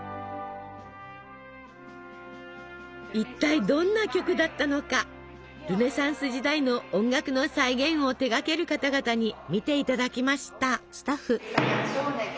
一体どんな曲だったのかルネサンス時代の音楽の再現を手がける方々に見て頂きました。